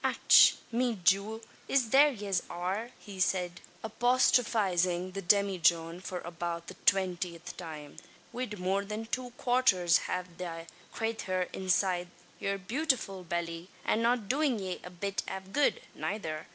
"Ach! me jewel, it's there yez are!" said he, apostrophising the demijohn for about the twentieth time, "wid more than two quarts av the crayther inside yer bewtifull belly, and not doin' ye a bit av good, nayther.